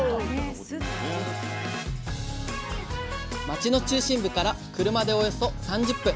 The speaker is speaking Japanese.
町の中心部から車でおよそ３０分。